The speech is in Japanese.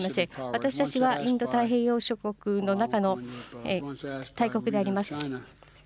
私たちはインド太平洋諸国の中の大国であります。